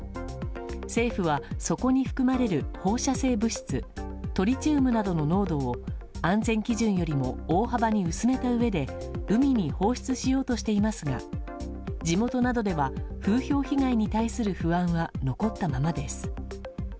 政府はそこに含まれる放射性物質トリチウムなどの濃度を安全基準よりも大幅に薄めたうえで海に放出しようとしていますが地元などでは風評被害に対する不安は残ったままです。